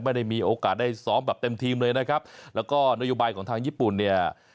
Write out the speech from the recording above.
ไม่ได้มีโอกาสได้ซ้อมแบบเต็มทีมเลยนะครับแล้วก็นโยบายของทางญี่ปุ่นเนี่ย